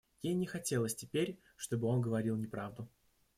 Ей не хотелось теперь, чтобы он говорил неправду.